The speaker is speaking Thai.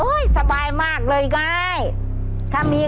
กล่อข้าวหลามใส่กระบอกจำนวน๑๒กระบอกภายในเวลา๓นาที